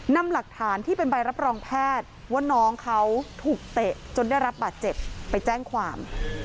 นำหลักฐานที่เป็นใบรับรองแพทย์ว่าน้องเขาถูกเตะจนได้รับบาดเจ็บไปแจ้งความ